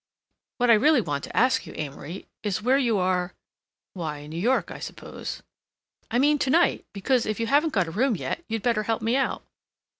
"What I really want to ask you, Amory, is where you are—" "Why, New York, I suppose—" "I mean to night, because if you haven't got a room yet you'd better help me out."